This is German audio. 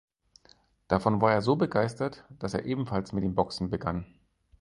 Davon war er so begeistert, dass er ebenfalls mit dem Boxen begann.